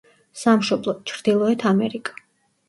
სამშობლო: ჩრდილოეთ ამერიკა.